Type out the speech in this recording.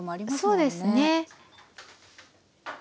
そうですね。